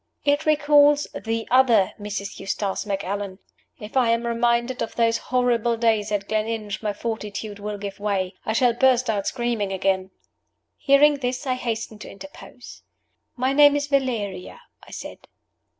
"It recalls the other Mrs. Eustace Macallan. If I am reminded of those horrible days at Gleninch my fortitude will give way I shall burst out screaming again." Hearing this, I hastened to interpose. "My name is Valeria," I said.